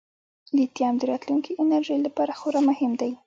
لیتیم د راتلونکي انرژۍ لپاره خورا مهم دی.